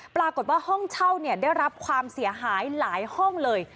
ปรากฏว่าห้องเช่าได้รับความเสียหายหลายห้องเลย